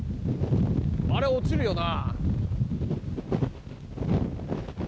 あれは落ちるよな。